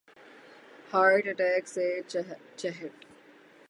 heart attack سے چھٹ